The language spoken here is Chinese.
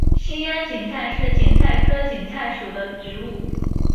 兴安堇菜是堇菜科堇菜属的植物。